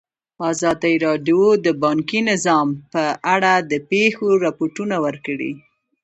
ازادي راډیو د بانکي نظام په اړه د پېښو رپوټونه ورکړي.